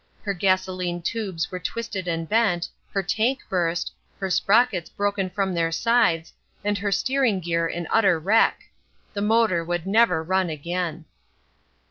Her gasoline tubes were twisted and bent, her tank burst, her sprockets broken from their sides, and her steering gear an utter wreck. The motor would never run again.